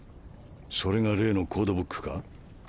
それが例のコードブックか？